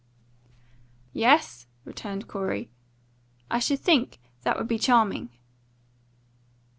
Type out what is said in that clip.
"Yes?" returned Corey. "I should think that would be charming."